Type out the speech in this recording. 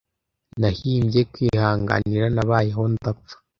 'Nahimbye kwihanganira, nabayeho ndapfa,